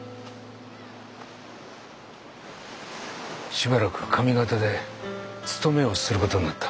しばらく上方で盗めをする事になった。